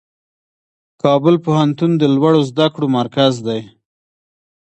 کابل پوهنتون د لوړو زده کړو مرکز دی.